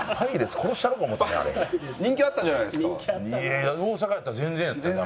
いや大阪やったら全然やったな。